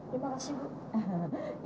terima kasih bu